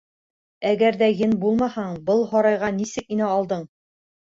— Әгәр ҙә ен булмаһаң, был һарайға нисек инә алдың?